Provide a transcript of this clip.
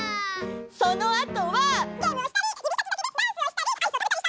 そのあとは。